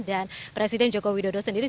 dan presiden joko widodo sendiri